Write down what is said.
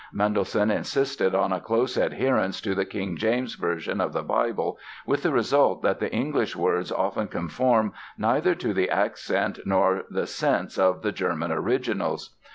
Mendelssohn insisted on a close adherence to the King James version of the Bible, with the result that the English words often conform neither to the accent nor the sense of the German originals.